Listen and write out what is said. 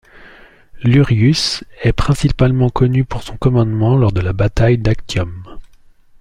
Lurius est principalement connu pour son commandement lors de la bataille d'Actium.